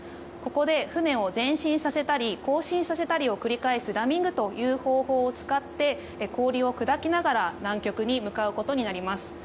ここで船を前進させたり後進させたりを繰り返すラミングという方法を使って氷を砕きながら南極へ向かうことになります。